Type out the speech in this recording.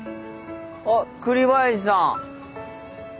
あっ栗林さん。